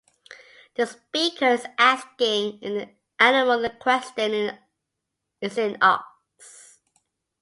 The speaker is asking if the animal in question is an ox.